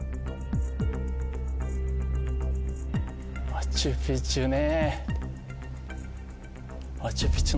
「マチュ・ピチュ」ね。